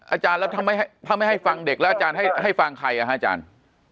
อาจารย์แล้วถ้าไม่ให้ฟังเด็กแล้วอาจารย์ให้ฟังใครอาจารย์